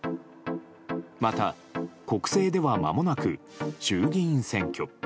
また、国政ではまもなく衆議院選挙。